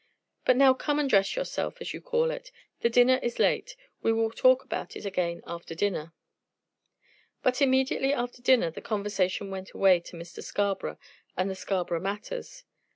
"But now come and dress yourself, as you call it. The dinner is late. We will talk about it again after dinner." But immediately after dinner the conversation went away to Mr. Scarborough and the Scarborough matters.